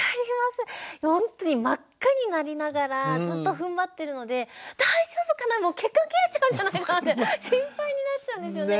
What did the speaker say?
ほんとに真っ赤になりながらずっとふんばってるので大丈夫かなもう血管切れちゃうんじゃないのかなって心配になっちゃうんですよね。